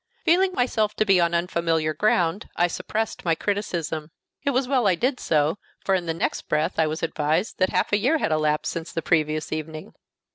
Feeling myself to be on unfamiliar ground, I suppressed my criticism. It was well I did so, for in the next breath I was advised that half a year had elapsed since the previous evening.